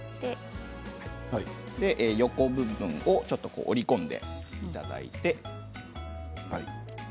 横の部分をちょっと折り込んでいただいて。